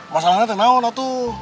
masalahnya apa itu